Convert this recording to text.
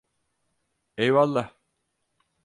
Eyvallah.